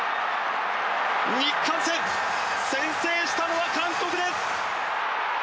日韓戦先制したのは韓国です！